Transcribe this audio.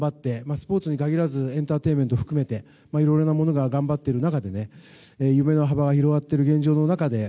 スポーツに限らずエンターテインメント含めていろいろなものが頑張っている中で夢の幅広がっている現状の中で。